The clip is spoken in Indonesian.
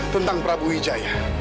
tentang prabu wijaya